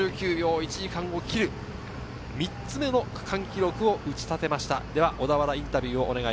１時間を切る３つ目の区間記録を打ち立てました。